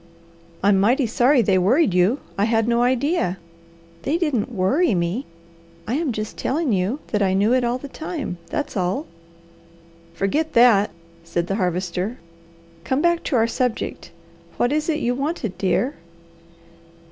"I'm mighty sorry they worried you. I had no idea " "They didn't 'worry,' me! I am just telling you that I knew it all the time; that's all!" "Forget that!" said the Harvester. "Come back to our subject. What was it you wanted, dear?"